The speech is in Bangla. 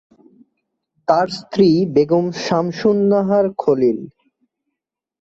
তার স্ত্রী বেগম শামসুন নাহার খলিল।